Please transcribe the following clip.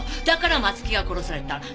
だから松木は殺された。